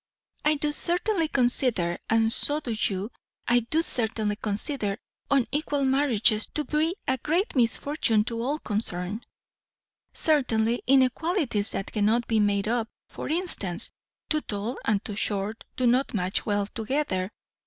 "I do certainly consider and so do you, I do certainly consider unequal marriages to be a great misfortune to all concerned." "Certainly inequalities that cannot be made up. For instance, too tall and too short do not match well together.